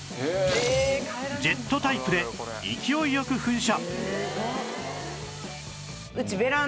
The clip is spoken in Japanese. ジェットタイプで勢いよく噴射